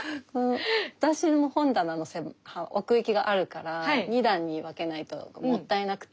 私も本棚の奥行きがあるから２段に分けないともったいなくて。